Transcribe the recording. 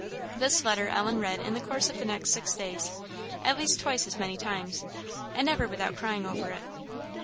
This letter Ellen read in the course of the next six days, at least twice as many times; and never without crying over it.